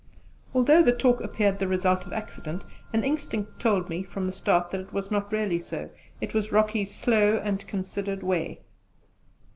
Although the talk appeared the result of accident, an instinct told me from the start that it was not really so: it was Rocky's slow and considered way.